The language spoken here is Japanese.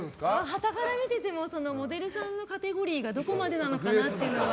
はたから見ててもモデルさんのカテゴリーがどこまでなのかなっていうのは。